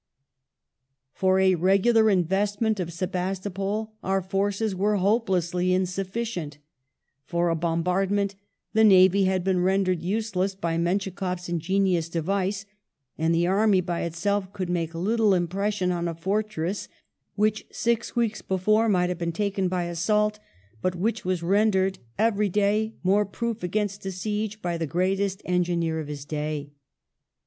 Battle of For a regular investment of Sebastopol our forces were hopelessly Nov'^Tth"' i^s^fl^cient : for a bombardment the navy had been rendered useless by MenschikofTs ingenious device, and the army by itself could make little impression on a fortress which six weeks before might have been taken by assault, but which was rendered every day more proof against a siege by the greatest engineer of his day.